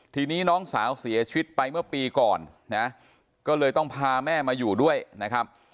ทีนี้น้องสาวเสียชีวิตไปเมื่อปีก่อนนะก็เลยต้องพาแม่มาอยู่ด้วยนะครับ